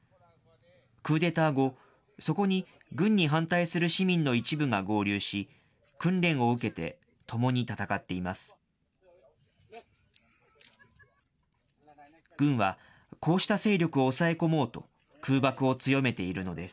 クーデター後、そこに軍に反対する市民の一部が合流し、訓練を受けてともに戦っています。